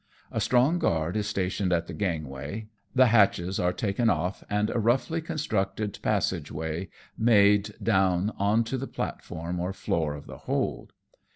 A strong guard is stationed at the gangway, the hatches are taken off, and a roughly constructedpassage way made down on to the platform or floor of the hold.